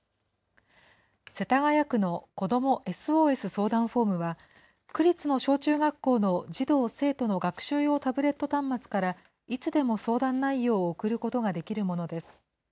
世田谷区の子どもＳＯＳ相談フォームは、区立の小中学校の児童・生徒の学習用タブレット端末からいつでも相談内容を送ることができるものです。